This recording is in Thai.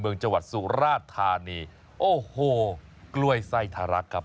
โอ้โหกล้วยใส่ธาระครับ